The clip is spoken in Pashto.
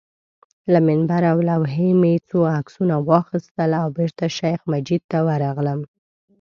له منبر او لوحې مې څو عکسونه واخیستل او بېرته شیخ مجید ته ورغلم.